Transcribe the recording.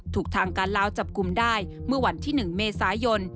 ถูกทางการลาวจับกลุ่มได้เมื่อวันที่๑เมษายน